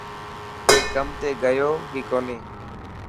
اي ڪم تي گيو هي ڪوني.